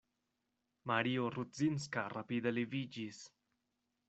Mario Rudzinska rapide leviĝis.